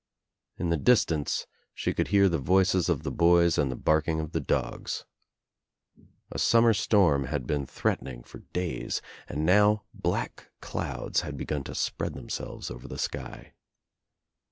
In the distance she could hear the voices of the boys and the barking of the dogs. A summer storm had been threatening for days and now black clouds had begun to spread them selves over the sky.